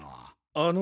あの。